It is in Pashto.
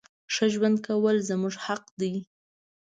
ښه ژوند کول زموږ حق ده.